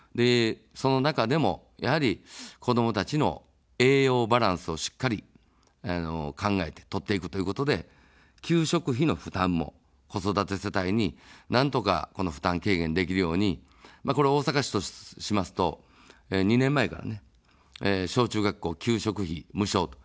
その中でも、やはり子どもたちの栄養バランスをしっかり考えて、摂っていくということで、給食費の負担も子育て世帯になんとか負担軽減できるように、これは大阪市としますと２年前から、小中学校、給食費無償と。